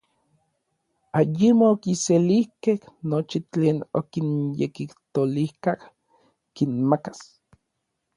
Ayemo okiselijkej nochi tlen okinyekijtolijka kinmakas.